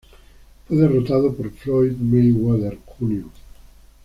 Fue derrotado por Floyd Mayweather Jr.